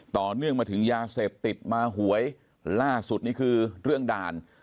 ต่อเนื่องมาถึงยาเสพติดมาหวยล่าสุดนี่คือเรื่องด่าน